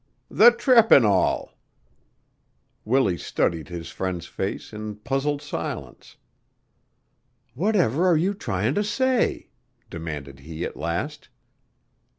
"The trip an' all." Willie studied his friend's face in puzzled silence. "Whatever are you tryin' to say?" demanded he at last.